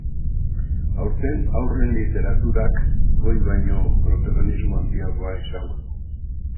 Aurten haurren literaturak ohi baino protagonismo handiagoa izango du.